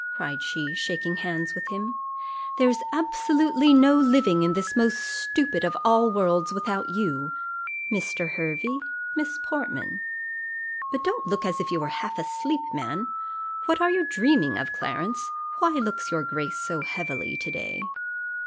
cried she, shaking hands with him: "there's absolutely no living in this most stupid of all worlds without you. Mr. Hervey Miss Portman but don't look as if you were half asleep, man What are you dreaming of, Clarence? Why looks your grace so heavily to day?"